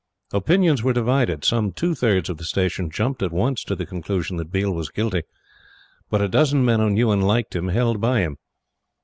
Opinions were divided. Some two thirds of the Station jumped at once to the conclusion that Biel was guilty; but a dozen men who knew and liked him held by him.